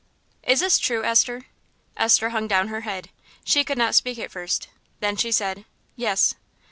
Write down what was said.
"Is this true, Esther?" Esther hung down her head. She could not speak at first; then she said, "Yes."